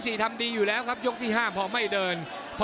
จะทำดีอยู่แล้วนะครับการที่โอป